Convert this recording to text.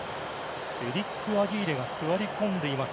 エリック・アギーレが座り込んでいます。